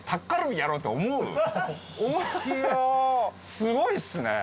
すごいっすね。